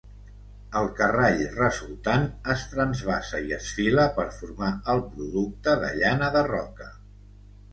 El carrall resultant es transvasa i es fila per formar el producte de llana de roca.